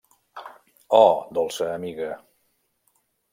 -Oh, dolça amiga!